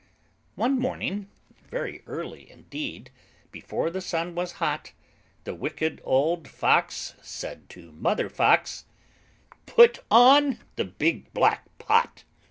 One morning, very early indeed, Before the sun was hot, The Wicked Old Fox said to Mother Fox, "Put on the big black pot.